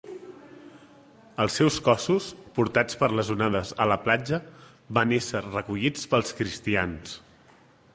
Els seus cossos, portats per les onades a la platja, van ésser recollits pels cristians.